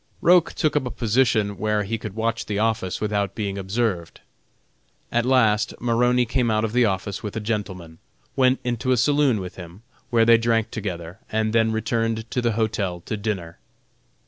Roch took up a position where he could watch the office without being observed. At last Maroney came out of the office with a gentleman, went into a saloon with him, where they drank together, and then returned to the hotel to dinner.